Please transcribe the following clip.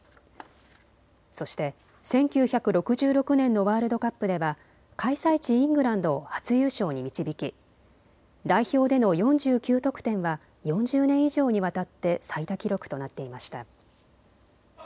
そして１９６６年のワールドカップでは開催地イングランドを初優勝に導き代表での４９得点は４０年以上にわたって最多記録となっていました。